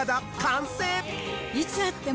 いつ会っても。